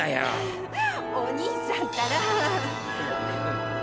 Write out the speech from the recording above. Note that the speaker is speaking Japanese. お兄さんたら。